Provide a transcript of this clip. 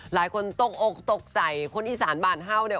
หลายคนตกอกตกใจคนอีสานบ้านเห่าเนี่ย